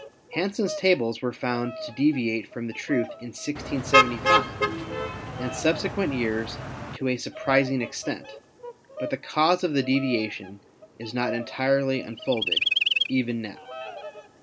Hansen's tables were found to deviate from the truth in 1675 and subsequent years to a surprising extent, but the cause of the deviation is not entirely un folded even now.